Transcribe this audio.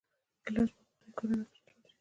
ګیلاس په افغاني کورونو کې ضروري دی.